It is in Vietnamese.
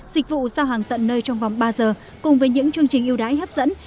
dịch vụ giao hàng tận nơi trong vòng ba giờ cùng với những chương trình yêu đáy hấp dẫn